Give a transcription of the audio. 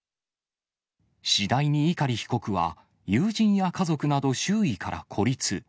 次第に碇被告は、友人や家族など周囲から孤立。